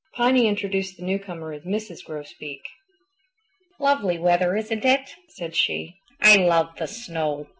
Piny introduced the newcomer as Mrs. Grosbeak. "Lovely weather, isn't it?" said she. "I love the snow.